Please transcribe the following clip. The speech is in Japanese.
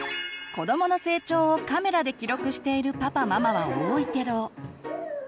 子どもの成長をカメラで記録しているパパママは多いけど。